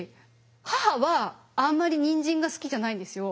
母はあんまりニンジンが好きじゃないんですよ。